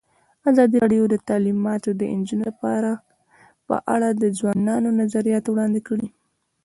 ازادي راډیو د تعلیمات د نجونو لپاره په اړه د ځوانانو نظریات وړاندې کړي.